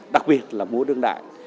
đặc biệt là múa đương đại